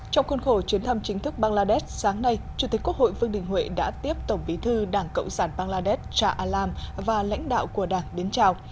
trong khuôn khổ chuyến thăm chính thức bangladesh sáng nay chủ tịch quốc hội vương đình huệ đã tiếp tổng bí thư đảng cộng sản bangladesh cha alam và lãnh đạo của đảng đến chào